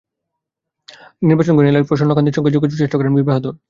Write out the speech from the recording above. তবে নির্বাচন ঘনিয়ে এলে প্রসন্ন কান্তির সঙ্গে যোগাযোগের চেষ্টা করেন বীর বাহাদুর।